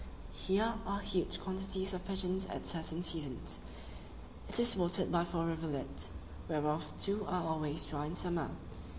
Here are huge quantities of pigeons at certain seasons. It is watered by four rivulets, whereof two are always dry in summer.